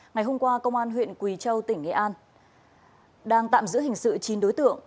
ngày hôm qua công an huyện quỳ châu tỉnh nghệ an đang tạm giữ hình sự chín đối tượng